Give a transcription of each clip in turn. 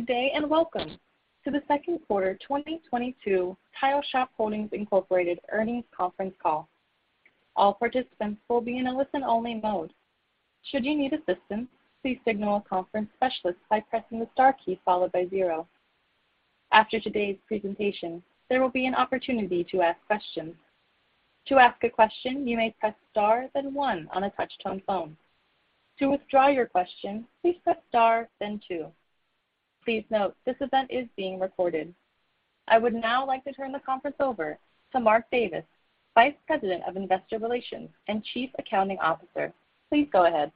Good day, and welcome to the second quarter 2022 Tile Shop Holdings, Inc. earnings conference call. All participants will be in a listen-only mode. Should you need assistance, please signal a conference specialist by pressing the star key followed by zero. After today's presentation, there will be an opportunity to ask questions. To ask a question, you may press star, then one on a touch-tone phone. To withdraw your question, please press star, then two. Please note, this event is being recorded. I would now like to turn the conference over to Mark Davis, Vice President of Investor Relations and Chief Accounting Officer. Please go ahead.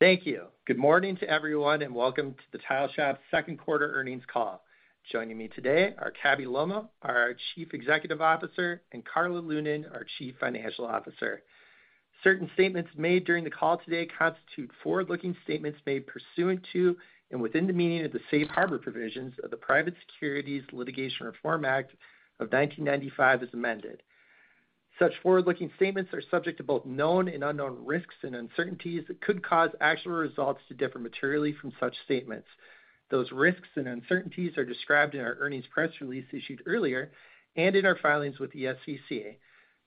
Thank you. Good morning to everyone, and welcome to the Tile Shop second quarter earnings call. Joining me today are Cabell Lolmaugh, our Chief Executive Officer, and Karla Lunan, our Chief Financial Officer. Certain statements made during the call today constitute forward-looking statements made pursuant to and within the meaning of the Safe Harbor Provisions of the Private Securities Litigation Reform Act of 1995 as amended. Such forward-looking statements are subject to both known and unknown risks and uncertainties that could cause actual results to differ materially from such statements. Those risks and uncertainties are described in our earnings press release issued earlier and in our filings with the SEC.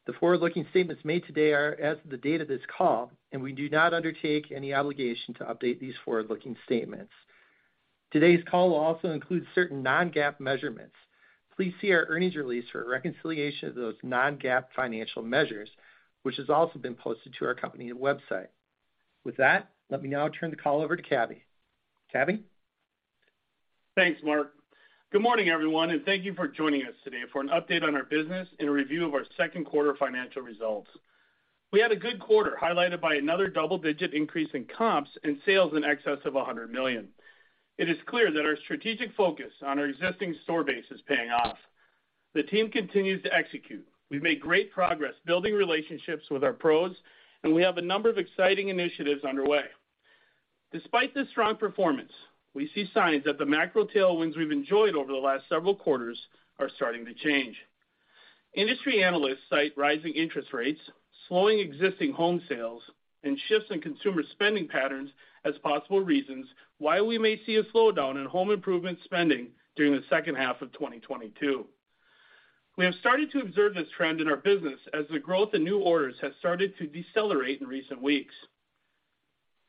The forward-looking statements made today are as of the date of this call, and we do not undertake any obligation to update these forward-looking statements. Today's call will also include certain non-GAAP measurements. Please see our earnings release for a reconciliation of those non-GAAP financial measures, which has also been posted to our company website. With that, let me now turn the call over to Cabby. Cabby? Thanks, Mark. Good morning, everyone, and thank you for joining us today for an update on our business and a review of our second quarter financial results. We had a good quarter, highlighted by another double-digit increase in comps and sales in excess of $100 million. It is clear that our strategic focus on our existing store base is paying off. The team continues to execute. We've made great progress building relationships with our pros, and we have a number of exciting initiatives underway. Despite this strong performance, we see signs that the macro tailwinds we've enjoyed over the last several quarters are starting to change. Industry analysts cite rising interest rates, slowing existing home sales, and shifts in consumer spending patterns as possible reasons why we may see a slowdown in home improvement spending during the second half of 2022. We have started to observe this trend in our business as the growth in new orders has started to decelerate in recent weeks.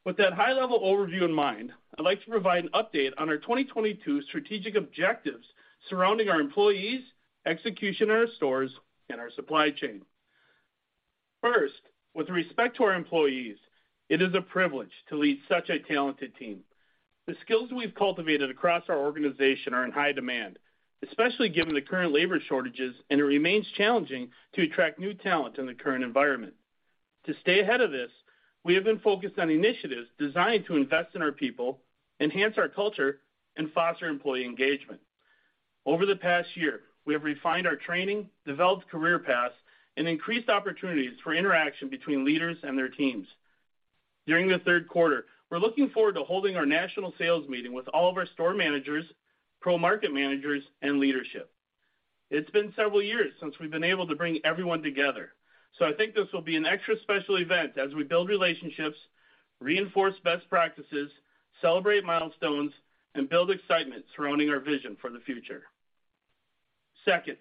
With that high-level overview in mind, I'd like to provide an update on our 2022 strategic objectives surrounding our employees, execution at our stores, and our supply chain. First, with respect to our employees, it is a privilege to lead such a talented team. The skills we've cultivated across our organization are in high demand, especially given the current labor shortages, and it remains challenging to attract new talent in the current environment. To stay ahead of this, we have been focused on initiatives designed to invest in our people, enhance our culture, and foster employee engagement. Over the past year, we have refined our training, developed career paths, and increased opportunities for interaction between leaders and their teams. During the third quarter, we're looking forward to holding our national sales meeting with all of our store managers, pro market managers, and leadership. It's been several years since we've been able to bring everyone together, so I think this will be an extra special event as we build relationships, reinforce best practices, celebrate milestones, and build excitement surrounding our vision for the future. Second,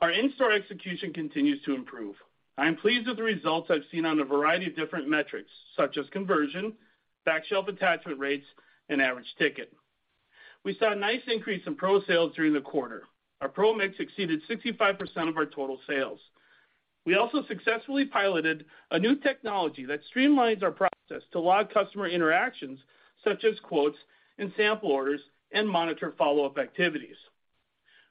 our in-store execution continues to improve. I am pleased with the results I've seen on a variety of different metrics, such as conversion, back shelf attachment rates, and average ticket. We saw a nice increase in pro sales during the quarter. Our pro mix exceeded 65% of our total sales. We also successfully piloted a new technology that streamlines our process to log customer interactions such as quotes and sample orders and monitor follow-up activities.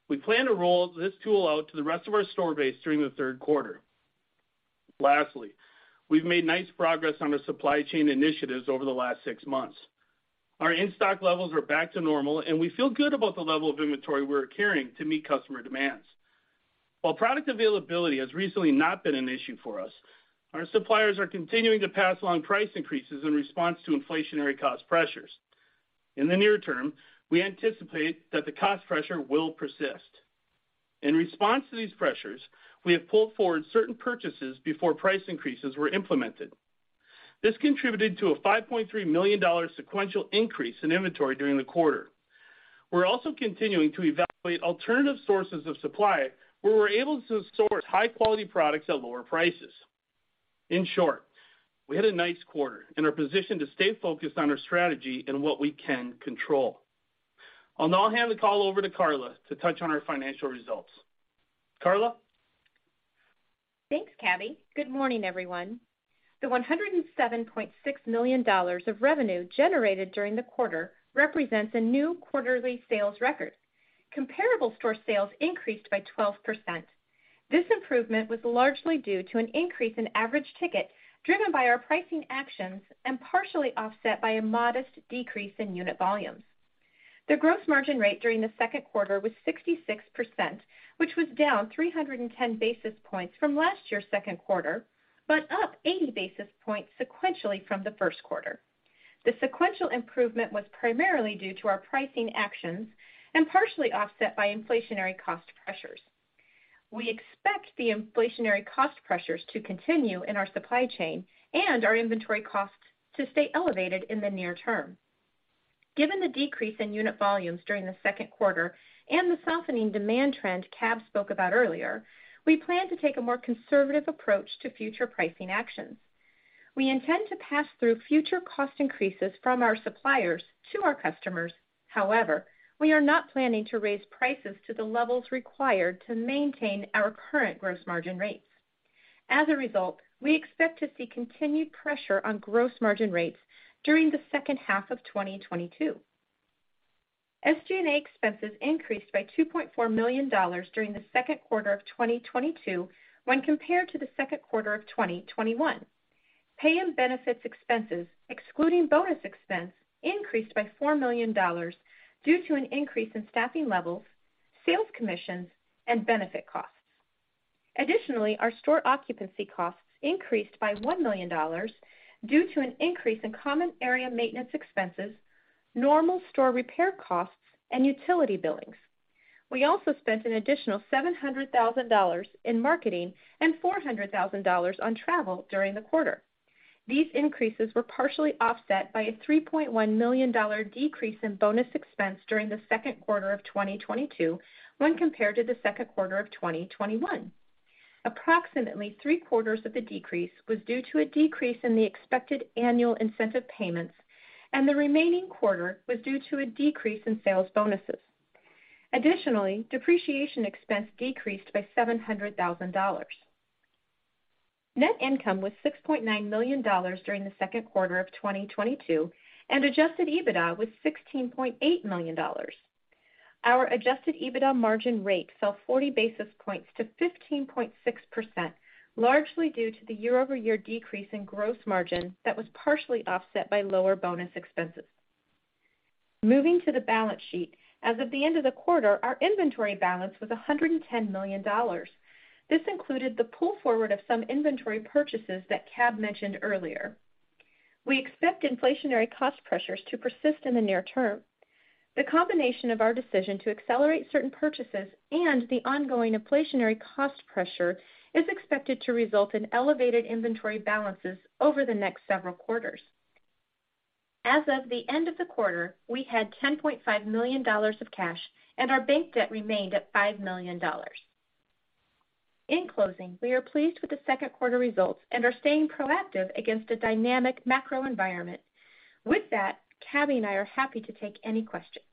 We plan to roll this tool out to the rest of our store base during the third quarter. Lastly, we've made nice progress on the supply chain initiatives over the last 6 months. Our in-stock levels are back to normal, and we feel good about the level of inventory we're carrying to meet customer demands. While product availability has recently not been an issue for us, our suppliers are continuing to pass along price increases in response to inflationary cost pressures. In the near term, we anticipate that the cost pressure will persist. In response to these pressures, we have pulled forward certain purchases before price increases were implemented. This contributed to a $5.3 million sequential increase in inventory during the quarter. We're also continuing to evaluate alternative sources of supply, where we're able to source high-quality products at lower prices. In short, we had a nice quarter and are positioned to stay focused on our strategy and what we can control. I'll now hand the call over to Karla to touch on our financial results. Karla? Thanks, Cabell Lolmaugh. Good morning, everyone. The $107.6 million of revenue generated during the quarter represents a new quarterly sales record. Comparable store sales increased by 12%. This improvement was largely due to an increase in average ticket driven by our pricing actions and partially offset by a modest decrease in unit volumes. The gross margin rate during the second quarter was 66%, which was down 310 basis points from last year's second quarter, but up 80 basis points sequentially from the first quarter. The sequential improvement was primarily due to our pricing actions and partially offset by inflationary cost pressures. We expect the inflationary cost pressures to continue in our supply chain and our inventory costs to stay elevated in the near term. Given the decrease in unit volumes during the second quarter and the softening demand trend Cabby spoke about earlier, we plan to take a more conservative approach to future pricing actions. We intend to pass through future cost increases from our suppliers to our customers. However, we are not planning to raise prices to the levels required to maintain our current gross margin rates. As a result, we expect to see continued pressure on gross margin rates during the second half of 2022. SG&A expenses increased by $2.4 million during the second quarter of 2022 when compared to the second quarter of 2021. Pay and benefits expenses, excluding bonus expense, increased by $4 million due to an increase in staffing levels, sales commissions, and benefit costs. Our store occupancy costs increased by $1 million due to an increase in common area maintenance expenses, normal store repair costs, and utility billings. We also spent an additional $700,000 in marketing and $400,000 on travel during the quarter. These increases were partially offset by a $3.1 million decrease in bonus expense during the second quarter of 2022 when compared to the second quarter of 2021. Approximately three-quarters of the decrease was due to a decrease in the expected annual incentive payments, and the remaining quarter was due to a decrease in sales bonuses. Additionally, depreciation expense decreased by $700,000. Net income was $6.9 million during the second quarter of 2022, and adjusted EBITDA was $16.8 million. Our adjusted EBITDA margin rate fell 40 basis points to 15.6%, largely due to the year-over-year decrease in gross margin that was partially offset by lower bonus expenses. Moving to the balance sheet, as of the end of the quarter, our inventory balance was $110 million. This included the pull forward of some inventory purchases that Cab mentioned earlier. We expect inflationary cost pressures to persist in the near term. The combination of our decision to accelerate certain purchases and the ongoing inflationary cost pressure is expected to result in elevated inventory balances over the next several quarters. As of the end of the quarter, we had $10.5 million of cash, and our bank debt remained at $5 million. In closing, we are pleased with the second quarter results and are staying proactive against a dynamic macro environment. With that, Cabell Lolmaugh and I are happy to take any questions.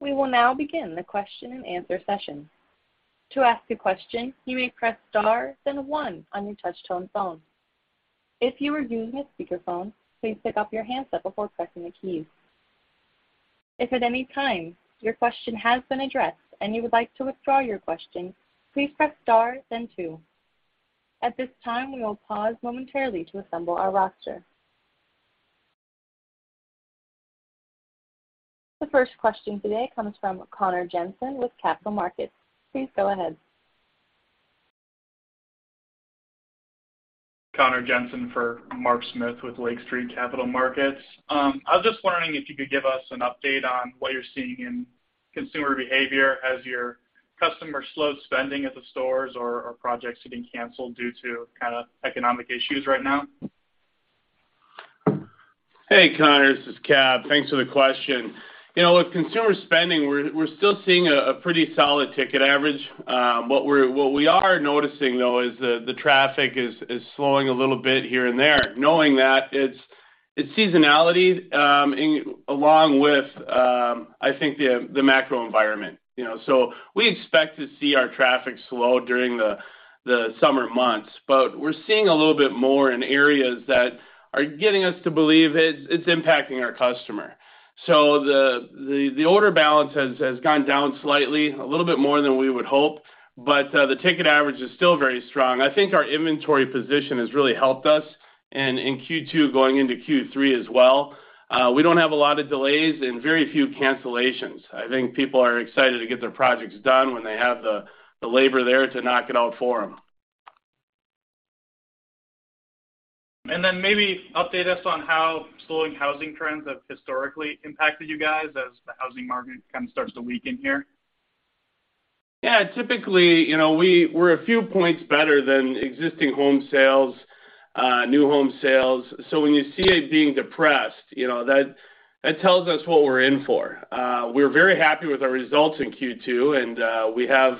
We will now begin the question-and-answer session. To ask a question, you may press star then one on your touchtone phone. If you are using a speakerphone, please pick up your handset before pressing a key. If at any time your question has been addressed and you would like to withdraw your question, please press star then two. At this time, we will pause momentarily to assemble our roster. The first question today comes from Connor Jensen with Lake Street Capital Markets. Please go ahead. Connor Jensen for Mark Smith with Lake Street Capital Markets. I was just wondering if you could give us an update on what you're seeing in consumer behavior as your customers slow spending at the stores or projects are getting canceled due to kinda economic issues right now. Hey, Connor, this is Cabby. Thanks for the question. You know, with consumer spending, we're still seeing a pretty solid ticket average. What we are noticing, though, is the traffic is slowing a little bit here and there. Knowing that it's seasonality, along with, I think the macro environment, you know. We expect to see our traffic slow during the summer months, but we're seeing a little bit more in areas that are getting us to believe it's impacting our customer. The order balance has gone down slightly, a little bit more than we would hope, but the ticket average is still very strong. I think our inventory position has really helped us in Q2 going into Q3 as well. We don't have a lot of delays and very few cancellations. I think people are excited to get their projects done when they have the labor there to knock it out for them. Maybe update us on how slowing housing trends have historically impacted you guys as the housing market kind of starts to weaken here? Yeah. Typically, you know, we're a few points better than existing home sales, new home sales. When you see it being depressed, you know, that tells us what we're in for. We're very happy with our results in Q2, and we have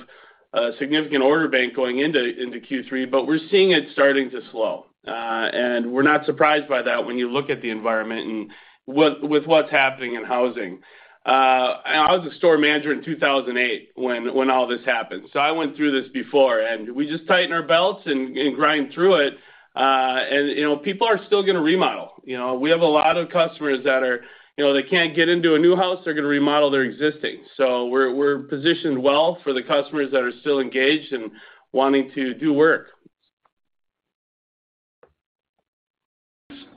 a significant order bank going into Q3, but we're seeing it starting to slow. We're not surprised by that when you look at the environment with what's happening in housing. I was a store manager in 2008 when all this happened, so I went through this before. We just tighten our belts and grind through it. You know, people are still gonna remodel. You know, we have a lot of customers. You know, they can't get into a new house, they're gonna remodel their existing. We're positioned well for the customers that are still engaged and wanting to do work.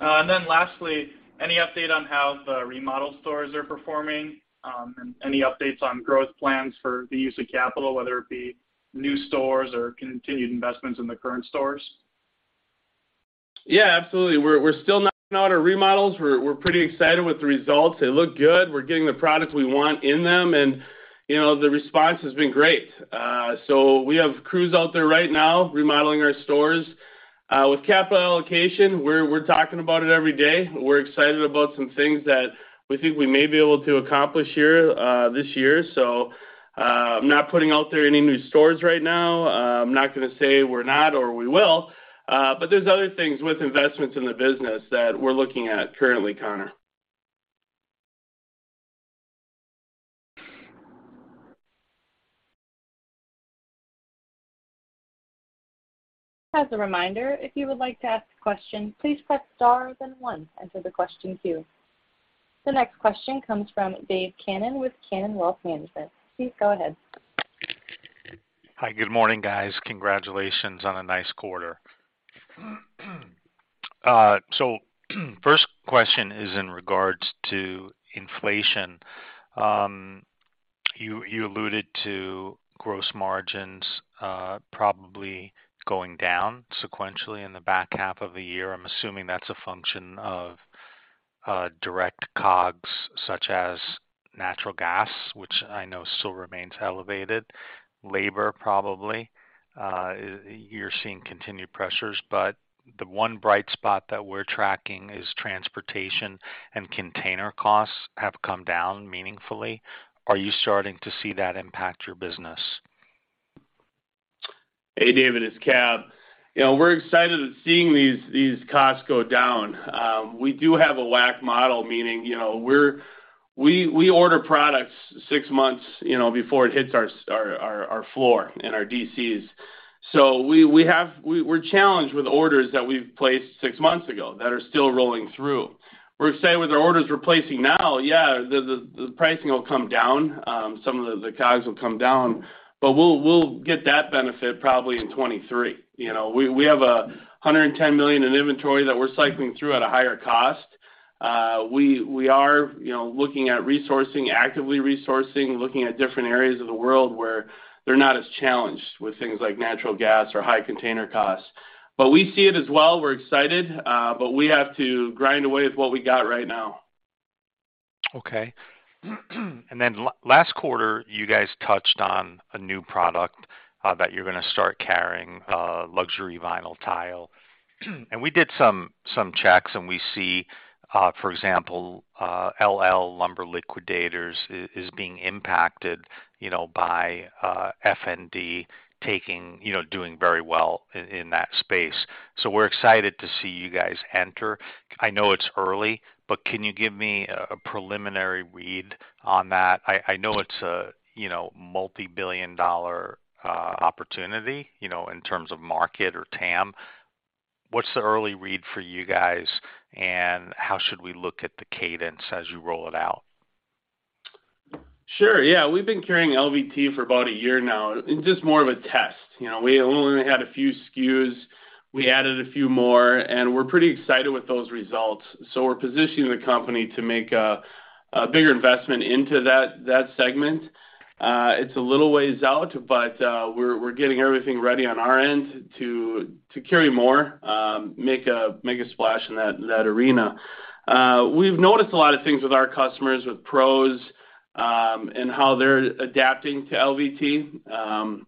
Lastly, any update on how the remodel stores are performing, and any updates on growth plans for the use of capital, whether it be new stores or continued investments in the current stores? Yeah, absolutely. We're still knocking out our remodels. We're pretty excited with the results. They look good. We're getting the products we want in them, and, you know, the response has been great. We have crews out there right now remodeling our stores. With capital allocation, we're talking about it every day. We're excited about some things that we think we may be able to accomplish here, this year. I'm not putting out there any new stores right now. I'm not gonna say we're not or we will, but there's other things with investments in the business that we're looking at currently, Connor. As a reminder, if you would like to ask a question, please press star then one into the question queue. The next question comes from Dave Cannon with Cannon Wealth Management. Please go ahead. Hi. Good morning, guys. Congratulations on a nice quarter. First question is in regards to inflation. You alluded to gross margins probably going down sequentially in the back half of the year. I'm assuming that's a function of direct COGS such as natural gas, which I know still remains elevated, labor probably. You're seeing continued pressures, but the one bright spot that we're tracking is transportation and container costs have come down meaningfully. Are you starting to see that impact your business? Hey, Dave, it's Cab. You know, we're excited at seeing these costs go down. We do have a WAC model, meaning, you know, we order products six months, you know, before it hits our floor and our DCs. We're challenged with orders that we've placed six months ago that are still rolling through. We're seeing with our orders we're placing now, yeah, the pricing will come down. Some of the COGS will come down, but we'll get that benefit probably in 2023. You know, we have $110 million in inventory that we're cycling through at a higher cost. We are, you know, looking at resourcing, actively resourcing, looking at different areas of the world where they're not as challenged with things like natural gas or high container costs. We see it as well. We're excited, but we have to grind away with what we got right now. Okay. Last quarter, you guys touched on a new product that you're gonna start carrying, Luxury Vinyl Tile. We did some checks, and we see, for example, LL Flooring is being impacted, you know, by Floor & Decor taking, you know, doing very well in that space. We're excited to see you guys enter. I know it's early, but can you give me a preliminary read on that? I know it's a multi-billion-dollar opportunity, you know, in terms of market or TAM. What's the early read for you guys, and how should we look at the cadence as you roll it out? Sure. Yeah. We've been carrying LVT for about a year now in just more of a test. You know, we only had a few SKUs. We added a few more, and we're pretty excited with those results. We're positioning the company to make a bigger investment into that segment. It's a little ways out, but we're getting everything ready on our end to carry more, make a splash in that arena. We've noticed a lot of things with our customers, with pros, and how they're adapting to LVT.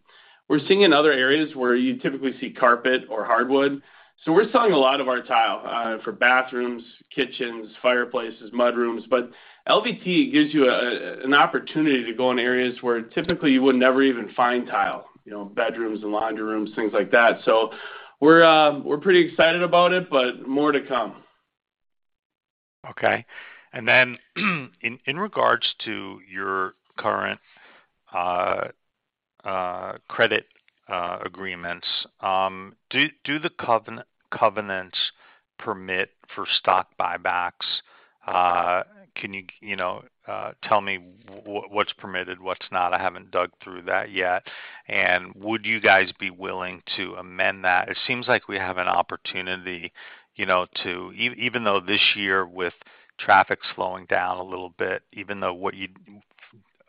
We're seeing in other areas where you typically see carpet or hardwood. We're selling a lot of our tile for bathrooms, kitchens, fireplaces, mud rooms. LVT gives you an opportunity to go in areas where typically you would never even find tile, you know, bedrooms and laundry rooms, things like that. We're pretty excited about it, but more to come. Okay. In regards to your current credit agreements, do the covenants permit for stock buybacks? Can you know, tell me what's permitted, what's not? I haven't dug through that yet. Would you guys be willing to amend that? It seems like we have an opportunity, you know, even though this year with traffic slowing down a little bit, even though what you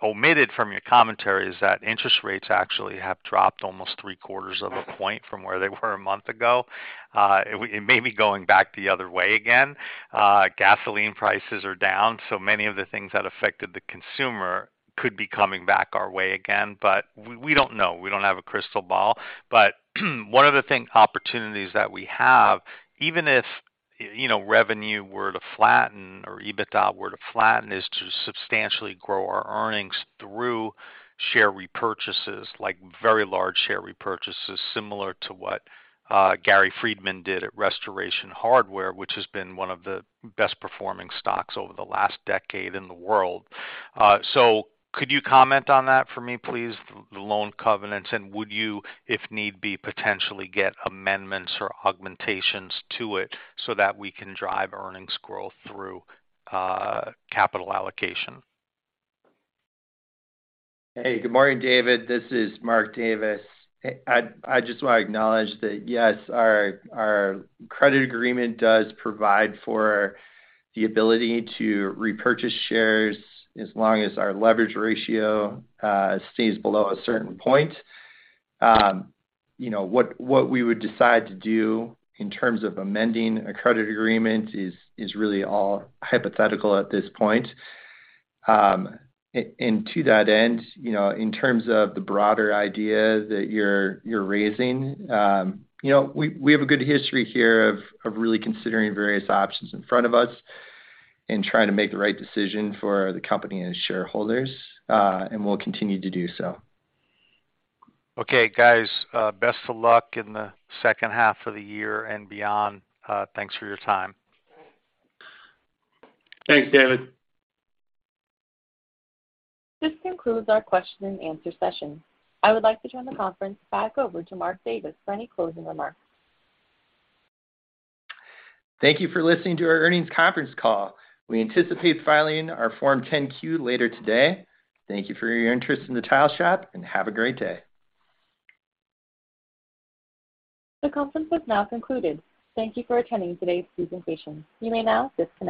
omitted from your commentary is that interest rates actually have dropped almost three-quarters of a point from where they were a month ago. It may be going back the other way again. Gasoline prices are down, so many of the things that affected the consumer could be coming back our way again. We don't know. We don't have a crystal ball. One of the opportunities that we have, even if, you know, revenue were to flatten or EBITDA were to flatten, is to substantially grow our earnings through share repurchases, like very large share repurchases, similar to what Gary Friedman did at Restoration Hardware, which has been one of the best-performing stocks over the last decade in the world. Could you comment on that for me, please, the loan covenants, and would you, if need be, potentially get amendments or augmentations to it so that we can drive earnings growth through capital allocation? Hey, good morning, Dave. This is Mark Davis. I just wanna acknowledge that, yes, our credit agreement does provide for the ability to repurchase shares as long as our leverage ratio stays below a certain point. You know, what we would decide to do in terms of amending a credit agreement is really all hypothetical at this point. And to that end, you know, in terms of the broader idea that you're raising, you know, we have a good history here of really considering various options in front of us and trying to make the right decision for the company and its shareholders, and we'll continue to do so. Okay, guys, best of luck in the second half of the year and beyond. Thanks for your time. Thanks, Dave. This concludes our question and answer session. I would like to turn the conference back over to Mark Davis for any closing remarks. Thank you for listening to our earnings conference call. We anticipate filing our Form 10-Q later today. Thank you for your interest in The Tile Shop, and have a great day. The conference has now concluded. Thank you for attending today's presentation. You may now disconnect.